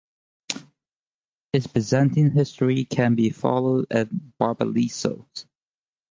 Its Byzantine history can be followed at Barbalissos.